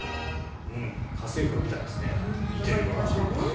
「家政婦は見た！」ですね見ているわ。